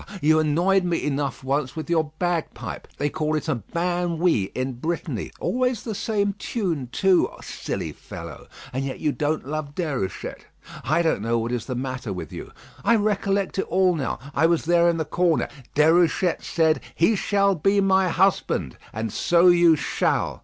you annoyed me enough once with your bagpipe. They call it a biniou in Brittany. Always the same tune too, silly fellow. And yet you don't love Déruchette? I don't know what is the matter with you. I recollect it all now. I was there in the corner; Déruchette said, 'He shall be my husband;' and so you shall.